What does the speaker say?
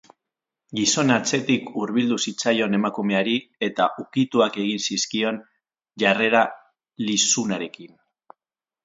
Gizona atzetik hurbildu zitzaion emakumeari, eta ukituak egin zizkion jarrera lizunarekin.